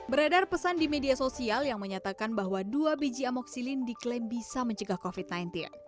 beredar pesan di media sosial yang menyatakan bahwa dua biji amoksilin diklaim bisa mencegah covid sembilan belas